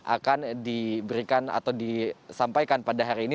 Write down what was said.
akan diberikan atau disampaikan pada hari ini